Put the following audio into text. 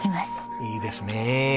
いいですね。